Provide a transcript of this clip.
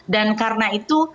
dan karena itu